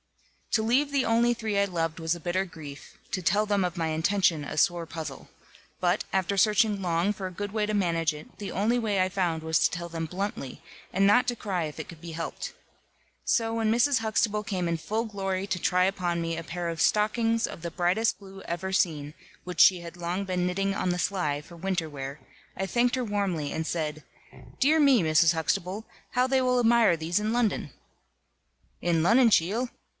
To leave the only three I loved was a bitter grief, to tell them of my intention, a sore puzzle. But, after searching long for a good way to manage it, the only way I found was to tell them bluntly, and not to cry if it could be helped. So when Mrs. Huxtable came in full glory to try upon me a pair of stockings of the brightest blue ever seen, which she had long been knitting on the sly, for winter wear, I thanked her warmly, and said: "Dear me, Mrs. Huxtable, how they will admire these in London." "In Lonnon, cheel!"